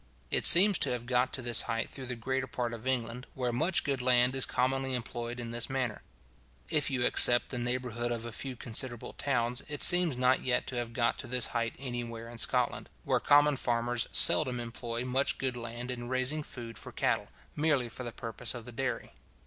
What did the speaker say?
It seems to have got to this height through the greater part of England, where much good land is commonly employed in this manner. If you except the neighbourhood of a few considerable towns, it seems not yet to have got to this height anywhere in Scotland, where common farmers seldom employ much good land in raising food for cattle, merely for the purpose of the dairy.